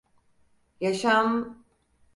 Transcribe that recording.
Yaşam…